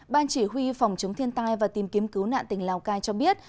ban chỉ huy phòng chống thiên tai và tìm kiếm cứu nạn tỉnh lào cai cho biết